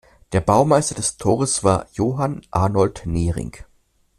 Der Baumeister des Tores war Johann Arnold Nering.